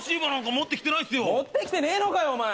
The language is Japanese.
持って来てねえのかよ